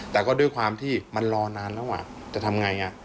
แต่ก็ด้วยความที่มันรอนานแล้วจะทำไง